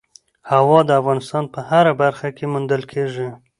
هوا د افغانستان په هره برخه کې موندل کېږي.